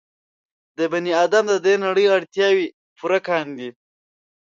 د بني ادم د دې نړۍ اړتیاوې پوره کاندي.